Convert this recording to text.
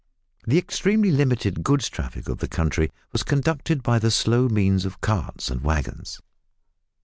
The extremely limited goods traffic of the country was conducted by the slow means of carts and waggons.